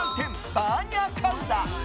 バーニャカウダ。